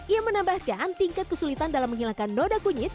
ia menambahkan tingkat kesulitan dalam menghilangkan noda kunyit